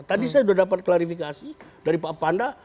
tadi saya sudah dapat klarifikasi dari pak panda